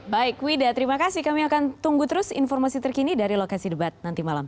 baik wida terima kasih kami akan tunggu terus informasi terkini dari lokasi debat nanti malam